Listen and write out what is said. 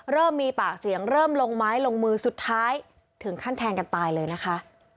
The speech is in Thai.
เริ่มมีปากเสียงเริ่มลงไม้ลงมือสุดท้ายถึงขั้นแทงกันตายเลยนะคะ